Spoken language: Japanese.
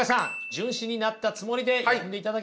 荀子になったつもりで読んでいただけますか？